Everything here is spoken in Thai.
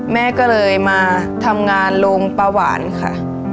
แม่ก็เลยมาทำงานโรงปลาหวานค่ะ